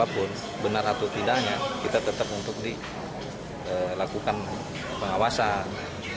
apapun benar atau tidaknya kita tetap untuk dilakukan pengawasan